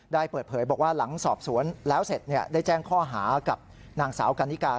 ได้เปิดเผยบอกว่าหลังสอบสวนแล้วเสร็จได้แจ้งข้อหากับนางสาวกันนิกา